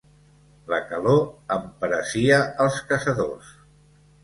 La calor emperesia els caçadors.